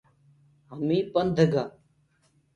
همي پنڌ گآ۔